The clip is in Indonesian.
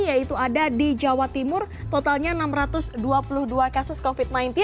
yaitu ada di jawa timur totalnya enam ratus dua puluh dua kasus covid sembilan belas